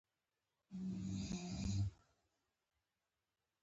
د محصل لپاره ارام چاپېریال د زده کړې لپاره مهم دی.